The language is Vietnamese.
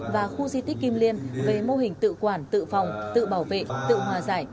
và khu di tích kim liên về mô hình tự quản tự phòng tự bảo vệ tự hòa giải